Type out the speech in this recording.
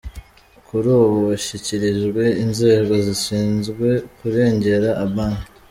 Kuri ubu bashyikirijwe inzego zishinzwe kurengera abaan.